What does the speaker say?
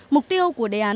mục tiêu của đề án